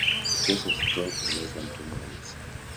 The case was dropped in less than two months.